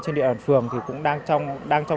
trên địa bàn phường thì cũng đang trong